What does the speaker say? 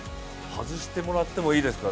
外してもらってもいいですか？